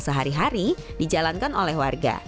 sehari hari dijalankan oleh warga